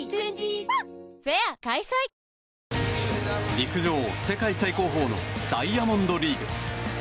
陸上世界最高峰のダイヤモンドリーグ。